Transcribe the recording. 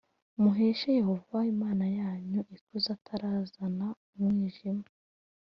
Muheshe Yehova Imana yanyu ikuzo atarazana umwijima